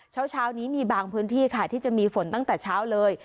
เช้านี้มีบางพื้นที่ค่ะที่จะมีฝนตั้งแต่เช้าเลย